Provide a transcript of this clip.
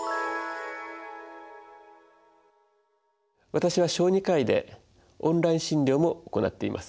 私は小児科医でオンライン診療も行っています。